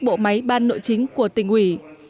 bộ máy ban nội chính của tỉnh ủy